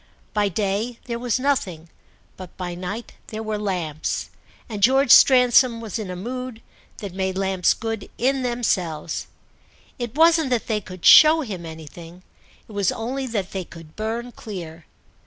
By day there was nothing, but by night there were lamps, and George Stransom was in a mood that made lamps good in themselves. It wasn't that they could show him anything, it was only that they could burn clear.